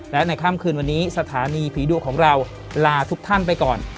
และในค่ำคืนวันนี้สถานีผีดุของเราลาทุกท่านไปก่อน